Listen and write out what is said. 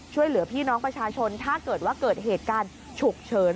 ช่วยเหลือพี่น้องประชาชนถ้าเกิดว่าเกิดเหตุการณ์ฉุกเฉิน